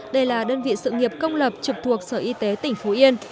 đây là đơn vị sự nghiệp công lập trực thuộc sở y tế tỉnh phú yên